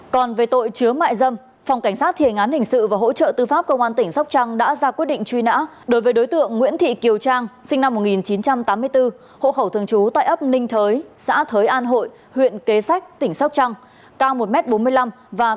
còn về tội chứa mại dâm phòng cảnh sát thiền án hình sự và hỗ trợ tư pháp cơ quan tỉnh sóc trăng đã ra quyết định truy nã đối với đối tượng nguyễn thị kiều trang sinh năm một nghìn chín trăm tám mươi bốn hộ khẩu thường trú tại ấp ninh thới xã thới an hội huyện kế sách tỉnh sóc trăng cao một m bốn mươi năm và có sẹo chấm cách hai cm trên trước đuôi lông mẩy phải